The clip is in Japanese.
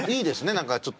なんかちょっと。